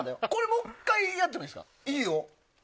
もう１回やってもいいですか。